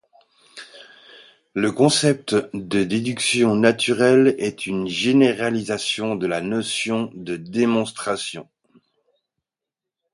Le concept de déduction naturelle est une généralisation de la notion de démonstration.